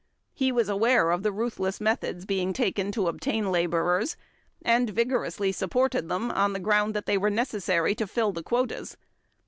He was aware of ruthless methods being taken to obtain laborers, and vigorously supported them on the ground that they were necessary to fill the quotas.